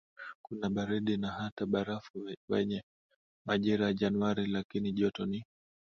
kuna baridi na hata barafu kwenye majira ya Januari lakini joto ni